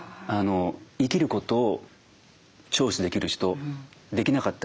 生きることをチョイスできる人できなかった人